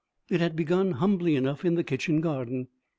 It had begun, humbly enough, in the kitchen garden.